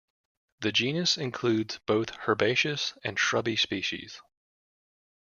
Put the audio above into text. The genus includes both herbaceous and shrubby species.